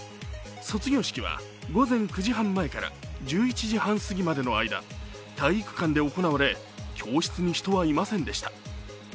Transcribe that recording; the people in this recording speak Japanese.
卒業式は午前９時半前から１１時半すぎまでの間、体育館で行われ、教室に人はいませんでした。